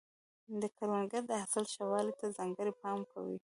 کروندګر د حاصل ښه والي ته ځانګړی پام کوي